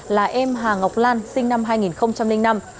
là em hà ngọc lan sinh năm hai nghìn năm